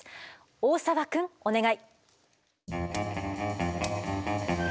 大澤くんお願い。